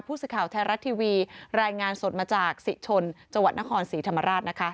ผู้สื่อข่าวไทยรัฐทีวีรายงานสดมาจากศรีชนจังหวัดนครศรีธรรมราชนะคะ